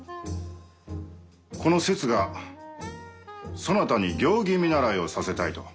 このせつがそなたに行儀見習いをさせたいと。